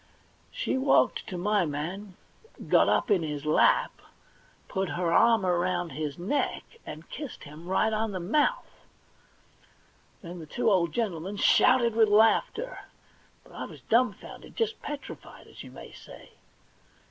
She walked to my man, got up in his lap, put her arm round his neck, and kissed him right on the mouth. Then the two old gentlemen shouted with laughter, but I was dumfounded, just petrified, as you may say.